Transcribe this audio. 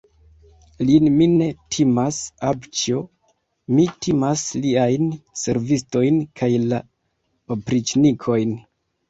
Lin mi ne timas, avĉjo, mi timas liajn servistojn kaj la opriĉnikojn.